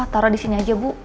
taruh di sini aja bu